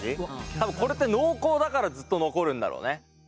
多分これって濃厚だからずっと残るんだろうね。